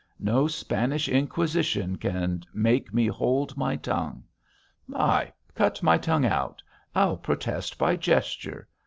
No Spanish inquisition can make me hold my tongue. Aye.... Cut my tongue out. I'll protest by gesture....